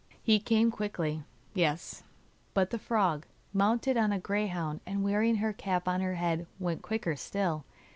He came quickly, yes; but the frog, mounted on a greyhound, and wearing her cap on her head, went quicker still.